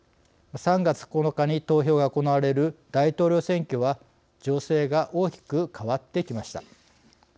３月９日に投票が行われる大統領選挙は情勢が大きく変わってきました。